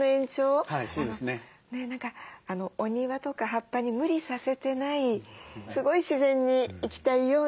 何かお庭とか葉っぱに無理させてないすごい自然に生きたいように。